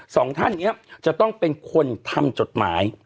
สองท่านนี้จะต้องเป็นคนทำจดหมาย